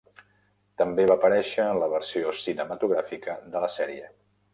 També va aparèixer en la versió cinematogràfica de la sèrie.